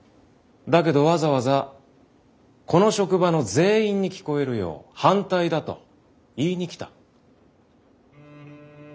だけどわざわざこの職場の全員に聞こえるよう反対だと言いに来た。